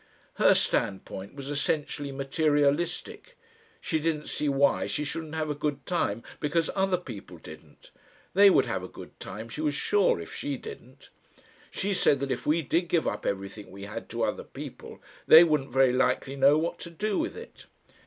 Her standpoint was essentially materialistic; she didn't see why she shouldn't have a good time because other people didn't; they would have a good time, she was sure, if she didn't. She said that if we did give up everything we had to other people, they wouldn't very likely know what to do with it.